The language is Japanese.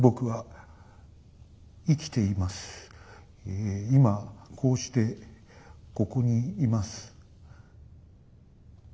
ええ今こうしてここにいます。